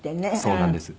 そうなんです。